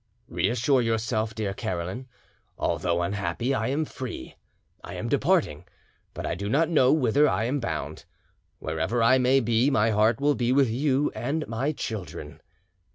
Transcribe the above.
] Reassure yourself, dear Caroline; although unhappy, I am free. I am departing, but I do not know whither I am bound. Wherever I may be my heart will be with you and my children.